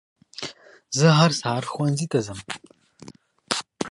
زه هر سهار ښوونځي ته ځم